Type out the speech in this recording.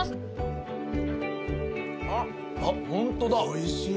おいしい。